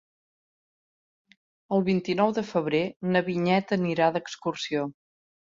El vint-i-nou de febrer na Vinyet anirà d'excursió.